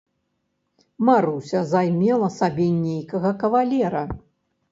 Маруся займела сабе нейкага кавалера.